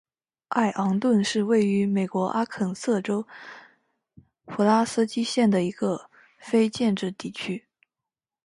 艾昂顿是位于美国阿肯色州普拉斯基县的一个非建制地区。